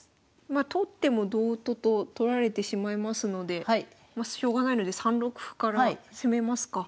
まあ取っても同と金と取られてしまいますのでしょうがないので３六歩から攻めますか。